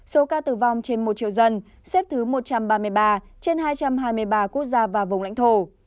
số ca tử vong trên một triệu dân xếp thứ một trăm ba mươi ba trên hai trăm hai mươi ba quốc gia và vùng lãnh thổ